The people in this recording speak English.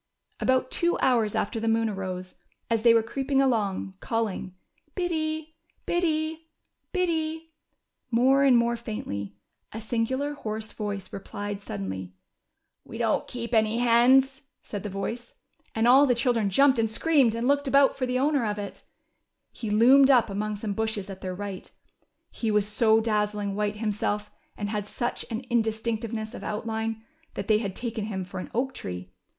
About two hours after the moon arose, as they were creeping along, calling "Biddy, Biddy, Biddy," more and more faintly, a singular, hoarse voice replied suddenly. " We don't keep any hens," said the voice, and all the children jumped and screamed, and looked about for the owner of it. He loomed up among some bushes at their right. He was so dazzling white him self, and had such an indistinctness of outline, that they had taken him for an oak tree.